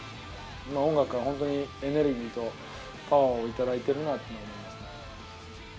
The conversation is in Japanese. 音楽から本当にエネルギーとパワーを頂いてるなって思いますね。